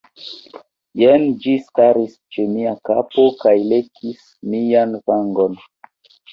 Jen ĝi staris ĉe mia kapo kaj lekis mian vangon.